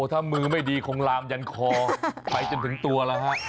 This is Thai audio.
ถ้ามือไม่ดีคงลามยันคอไปจนถึงตัวแล้วฮะ